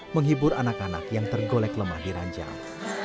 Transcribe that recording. menghibur anak anak yang tergolek lemah di ranjang